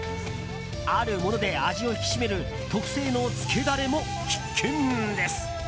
あるもので味を引き締める特製のつけダレも必見です。